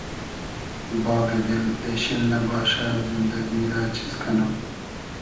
باغی دیل اېشیل نئباشۂ زیندئگی رۂ چیز کئنوم